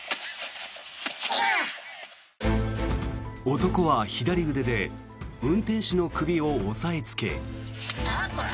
男は左腕で運転手の首を押さえつけ。